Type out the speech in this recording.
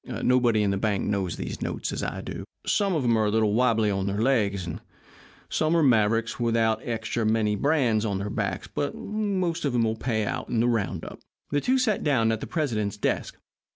Nobody in the bank knows those notes as I do. Some of 'em are a little wobbly on their legs, and some are mavericks without extra many brands on their backs, but they'll most all pay out at the round up." The two sat down at the president's desk.